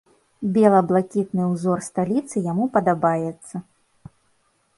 Бела-блакітны ўзор сталіцы яму падабаецца.